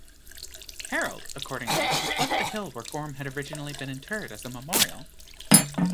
Harald, accordingly, left the hill where Gorm had originally been interred as a memorial.